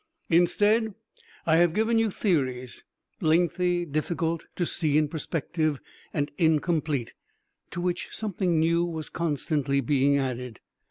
Instead I have given you theories lengthy, difficult to see in perspective and incomplete, to which something new was constantly being added.